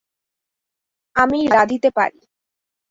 আমি রাঁধিতে পারি।